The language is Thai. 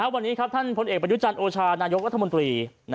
วันนี้ครับท่านพลเอกประยุจันทร์โอชานายกรัฐมนตรี